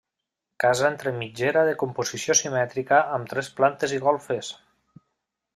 Casa entre mitgera de composició simètrica amb tres plantes i golfes.